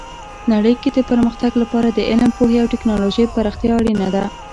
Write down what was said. نړۍ کې د پرمختګ لپاره د علم، پوهې او ټیکنالوژۍ پراختیا اړینه ده.